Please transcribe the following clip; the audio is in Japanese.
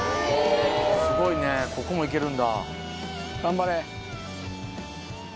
すごいねここも行けるんだ頑張れ。